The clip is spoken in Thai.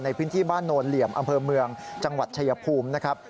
ในพื้นที่บ้านโนนเหลี่ยมอำเภอเมืองจังหวัดชายภูมินะครับ